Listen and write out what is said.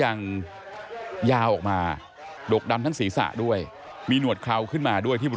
ทางวัดเขาก็นำภาพถ่ายของลงพ่อมาให้ประชาชนได้ทำแบบโอ้โห